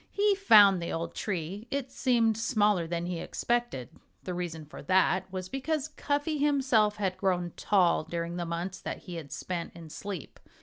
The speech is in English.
He found the old tree. It seemed smaller than he expected. The reason for that was because Cuffy himself had grown tall during the months that he had spent in sleep.